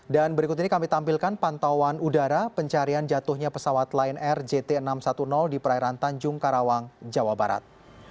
dan berikut ini kami tampilkan pantauan udara pencarian jatuhnya pesawat line r jt enam ratus sepuluh di perairan tanjung karawang jawa barat